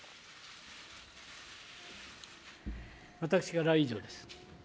私からは以上です。